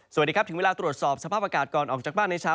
สวัสดีครับถึงเวลาตรวจสอบสภาพอากาศก่อนออกจากบ้านในเช้า